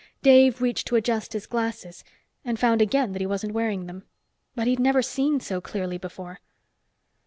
Dave reached to adjust his glasses, and found again that he wasn't wearing them. But he'd never seen so clearly before.